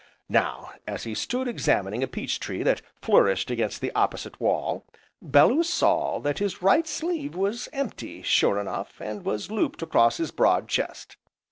Now as he stood examining a peach tree that flourished against the opposite wall, Bellew saw that his right sleeve was empty, sure enough, and was looped across his broad chest.